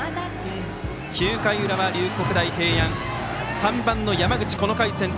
９回裏、龍谷大平安３番の山口、この回先頭。